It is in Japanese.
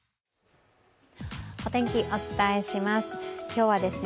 お天気、お伝えします。